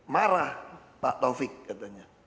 marah pak taufik katanya